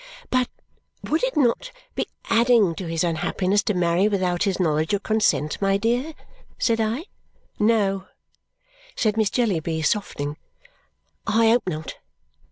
"But would it not be adding to his unhappiness to marry without his knowledge or consent, my dear?" said I. "No," said Miss Jellyby, softening. "I hope not.